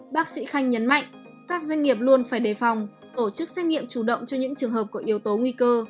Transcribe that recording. bác sĩ khanh nhấn mạnh các doanh nghiệp luôn phải đề phòng tổ chức xét nghiệm chủ động cho những trường hợp có yếu tố nguy cơ